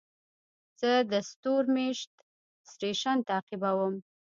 زه د ستورمېشت سټېشن تعقیبوم.